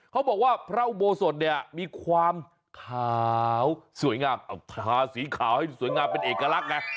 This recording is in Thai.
เขาบอกว่าพระอุโบสถเนี่ยมีความขาวสวยงามเอาทาสีขาวให้สวยงามเป็นเอกลักษณ์ไง